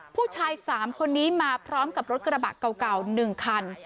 ผู้ชาย๓คนนี้มาพร้อมกับรถกระบะเก่า๑คัน